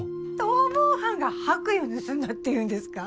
逃亡犯が白衣を盗んだっていうんですか？